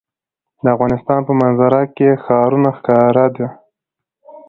د افغانستان په منظره کې ښارونه ښکاره ده.